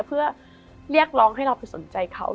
เพื่อเรียกร้องให้เราไปสนใจเขา